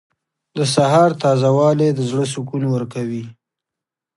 • د سهار تازه والی د زړه سکون ورکوي.